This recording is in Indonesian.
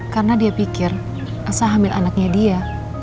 karena dia pikir elsa hamil anaknya dia